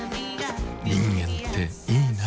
人間っていいナ。